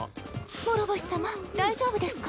諸星さま大丈夫ですか？